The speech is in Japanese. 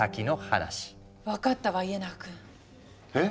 分かったわ家長くん。え？